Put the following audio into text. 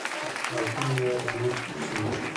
او کومه ميوه دانه چې پکښې وي.